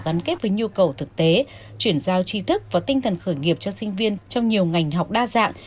gắn kết với nhu cầu thực tế chuyển giao tri thức và tinh thần khởi nghiệp cho sinh viên trong nhiều ngành học đa dạng